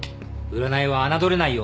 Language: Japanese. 占いは侮れないよ。